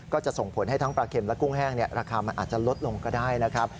ก็จะส่งผลให้ทั้งปลาเข็มและกุ้งแห้งราคามันอาจจะลดลงก็ได้นะครับ